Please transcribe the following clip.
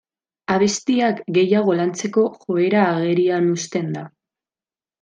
Abestiak gehiago lantzeko joera agerian uzten da.